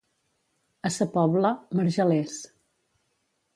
A sa Pobla, marjalers.